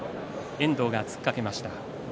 遠藤が突っかけました。